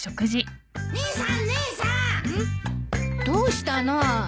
どうしたの？